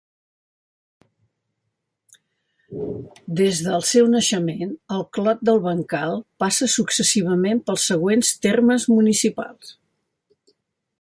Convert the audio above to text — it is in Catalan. Des del seu naixement, el Clot del Bancal passa successivament pels següents termes municipals.